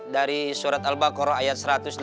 dari surat al baqarah ayat satu ratus delapan puluh